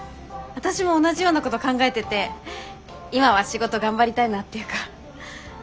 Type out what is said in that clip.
私も同じようなこと考えてて今は仕事頑張りたいなっていうか。